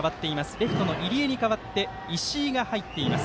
レフトの入江に代わって石井が入っています。